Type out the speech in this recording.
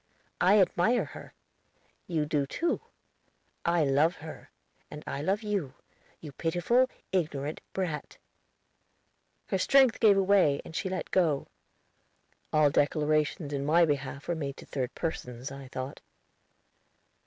_ I admire her; you do, too. I love her, and I love you, you pitiful, ignorant brat." Her strength gave way, and she let her go. "All declarations in my behalf are made to third persons," I thought.